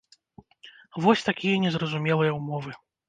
Вось такія незразумелыя ўмовы.